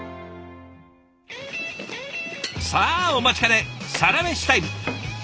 さあお待ちかねサラメシタイム。